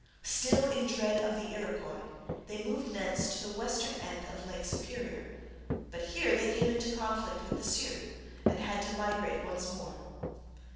Still in dread of the Iroquois, they moved thence to the western end of Lake Superior; but here they came into conflict with the Sioux, and had to migrate once more.